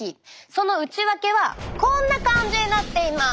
その内訳はこんな感じになっています。